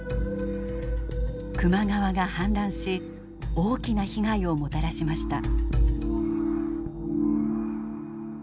球磨川が氾濫し大きな被害をもたらしました。